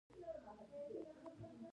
نژدې تیر شول